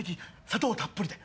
砂糖たっぷりで。